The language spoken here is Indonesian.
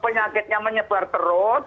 penyakitnya menyebar terus